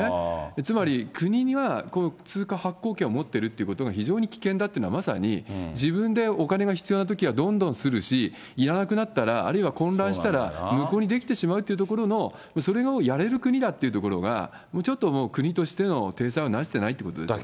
つまり国が通貨発行権を持っているということが、非常に危険だというのはまさに自分でお金が必要なときは、どんどん刷るし、いらなくなったら、あるいは混乱したら無効にできてしまうというところの、それをやれる国だというところが、ちょっともう国としての体裁を成していないということですよね。